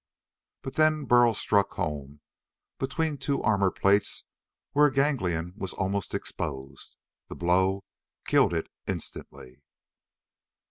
But then Burl struck home between two armor plates where a ganglion was almost exposed. The blow killed it instantly.